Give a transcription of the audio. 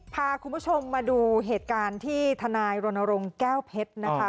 พาคุณผู้ชมมาดูเหตุการณ์ที่ทนายรณรงค์แก้วเพชรนะคะ